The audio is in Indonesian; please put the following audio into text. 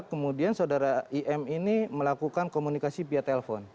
kemudian saudara im ini melakukan komunikasi via telepon